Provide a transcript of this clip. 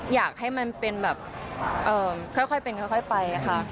อยากให้มันเป็นแบบค่อยเป็นค่อยไปค่ะ